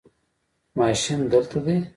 ماشین دلته دی